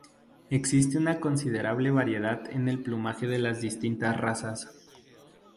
Existe una considerable variedad en el plumaje de las distintas razas.